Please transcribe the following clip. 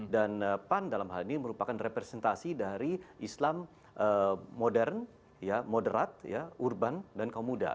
dan pan dalam hal ini merupakan representasi dari islam modern moderat urban dan kaum muda